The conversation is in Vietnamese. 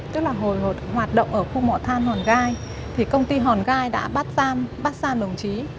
tức là hồi hoạt động ở khu mọ than hòn gai thì công ty hòn gai đã bắt giam đồng chí